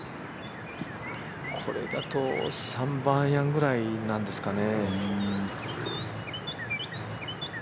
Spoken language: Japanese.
これだと３番アイアンぐらいなんですかね。